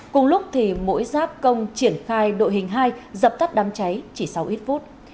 cùng lúc thì mỗi giáp công triển khai đội hình hai dập tắt đám cháy chỉ sau ít phút